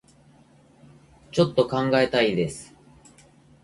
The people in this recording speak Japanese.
ちょっと考えたいです